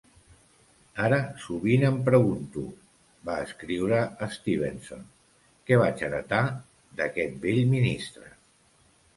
"Ara sovint em pregunto", va escriure Stevenson, "què vaig heretar d'aquest vell ministre.